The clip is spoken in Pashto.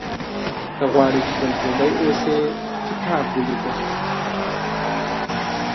• که غواړې چې تل ژوندی اوسې، کتاب ولیکه.